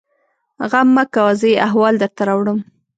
_غم مه کوه! زه يې احوال درته راوړم.